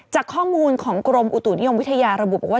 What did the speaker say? จากข้อมูลของกรมอุตุนิยมวิทยาระบุบอกว่า